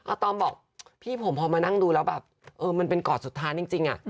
ตอมบอกพี่ผมพอมานั่งดูแล้วแบบเออมันเป็นกอดสุดท้ายจริง